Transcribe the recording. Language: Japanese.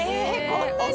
こんなに？